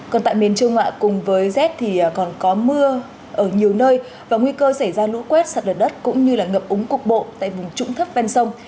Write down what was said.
còn tại miền trung ạ cùng với rét thì còn có mưa ở nhiều nơi và nguy cơ xảy ra lũ quét sạt lở đất cũng như ngập úng cục bộ tại vùng trũng thấp ven sông